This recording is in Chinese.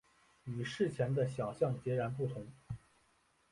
与事前的想像截然不同